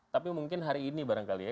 tapi mungkin hari ini barangkali ya